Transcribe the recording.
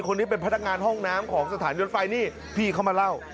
คนนี้เป็นพนักงานห้องน้ำของสถานยนต์ไฟนี่พี่เขามาเล่า